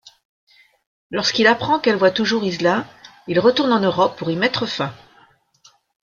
Lorsqu'il apprend qu'elle voit toujours Iselin, il retourne en Europe pour y mettre fin.